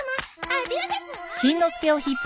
あっ！